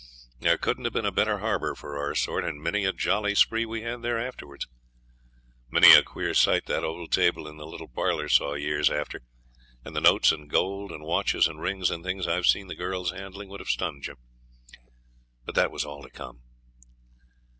There couldn't have been a better harbour for our sort, and many a jolly spree we had there afterwards. Many a queer sight that old table in the little parlour saw years after, and the notes and gold and watches and rings and things I've seen the girls handling would have stunned you. But that was all to come.